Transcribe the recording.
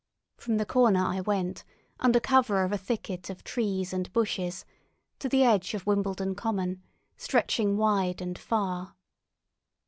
From the corner I went, under cover of a thicket of trees and bushes, to the edge of Wimbledon Common, stretching wide and far.